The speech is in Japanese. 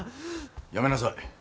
やめなさい。